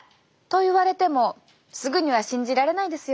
といわれてもすぐには信じられないですよね。